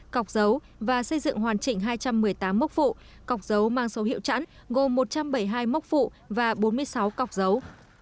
cọc dấu và xây dựng hoàn chỉnh hai trăm một mươi tám mốc phụ cọc dấu mang số hiệu chẵn gồm một trăm bảy mươi hai mốc phụ và bốn mươi sáu cọc dấu